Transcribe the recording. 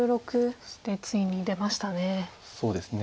そしてついに出ましたね。